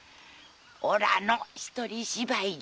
おらの一人芝居だ。